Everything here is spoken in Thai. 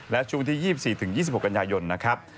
และช่วงที่๒๔๒๖กันยายนนะครับ